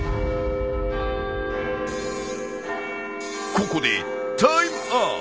ここでタイムアップ。